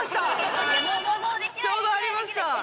ちょうどありました！